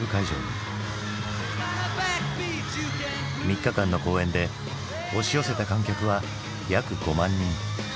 ３日間の公演で押し寄せた観客は約５万人。